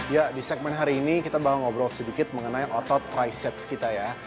ya di segmen hari ini kita bakal ngobrol sedikit mengenai otot triceps kita ya